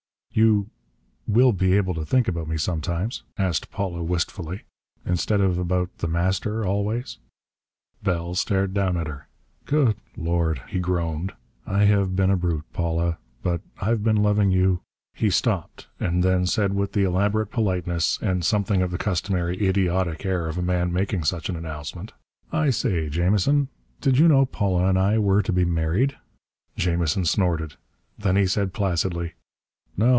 "You will be able to think about me sometimes," asked Paula wistfully, "instead of about The Master always?" Bell stared down at her. "Good Lord!" he groaned. "I have been a brute, Paula! But I've been loving you " He stopped, and then said with the elaborate politeness and something of the customary idiotic air of a man making such an announcement. "I say, Jamison, did you know Paula and I were to be married?" Jamison snorted. Then he said placidly: "No.